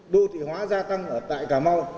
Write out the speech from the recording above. đô thị hóa gia tăng ở tại cà mau